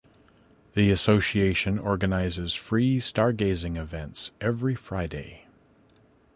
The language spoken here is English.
The association organizes free star gazing events every Friday.